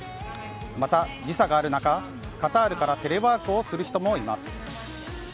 また時差がある中、カタールからテレワークをする人もいます。